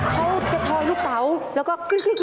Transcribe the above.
หรือว่าเขากระทอยลูกเต๋าแล้วก็